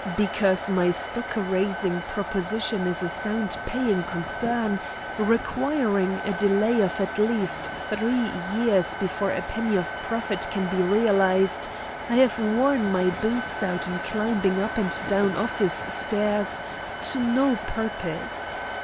Because my stock raising proposition is a sound paying concern, requiring a delay of at least three years before a penny of profit can be realised, I have worn my boots out in climbing up and down office stairs to no purpose.